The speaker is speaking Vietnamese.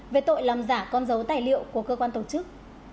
về tội làm giả con dấu tài liệu của cơ quan tổ chức